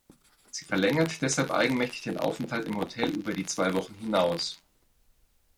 Sie verlängert deshalb eigenmächtig den Aufenthalt im Hotel über die zwei Wochen hinaus.